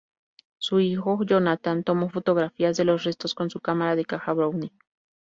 Su hijo Jonathan tomó fotografías de los restos con su cámara de caja Brownie.